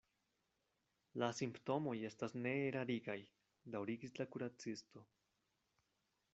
La simptomoj estas neerarigaj, daŭrigis la kuracisto.